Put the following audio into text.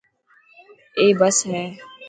اي بس هي.